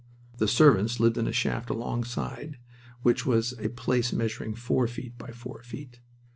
The servants lived in the shaft alongside which was a place measuring four feet by four feet.